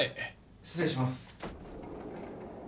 ・失礼します